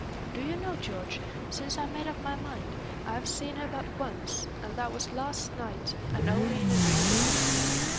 Do you know, George, since I made up my mind, I have seen her but once, and that was last night, and only in a dream."